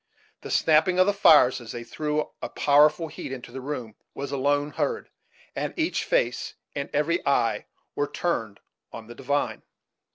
The snapping of the fires, as they threw a powerful heat into the room, was alone heard, and each face and every eye were turned on the divine.